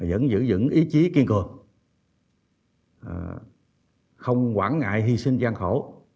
vẫn giữ dững ý chí kiên cường không quản ngại hy sinh gian khổ